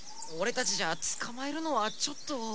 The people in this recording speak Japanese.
オレたちじゃつかまえるのはちょっと。